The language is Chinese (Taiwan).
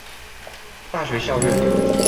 大學校院